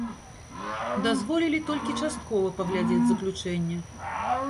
Дазволілі толькі часткова паглядзець заключэнне.